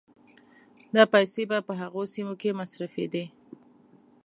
دا پيسې به په هغو سيمو کې مصرفېدې